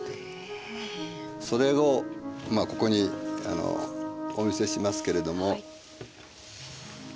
それをここにお見せしますけれども。